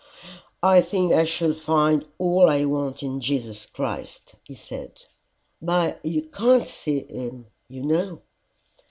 "I think I shall find all I want in Jesus Christ," he said. "But you can't see him, you know."